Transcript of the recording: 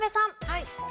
はい。